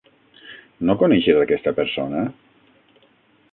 No coneixes aquesta persona?